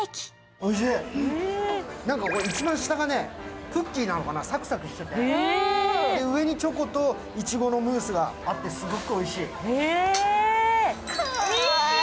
おいしい、一番下がクッキーなのかな、サクサクしてて、上にチョコといちごのムースがあって、すごくおいしい。